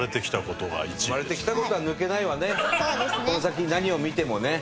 この先何を見てもね。